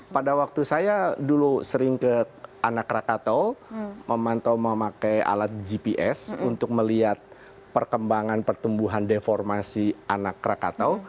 pada waktu saya dulu sering ke anak rakatau memantau memakai alat gps untuk melihat perkembangan pertumbuhan deformasi anak krakatau